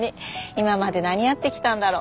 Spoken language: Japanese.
今まで何やってきたんだろう。